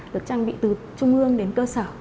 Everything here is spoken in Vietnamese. được trang bị từ trung ương đến cơ sở